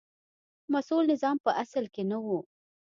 مسوول نظام په اصل کې نه و.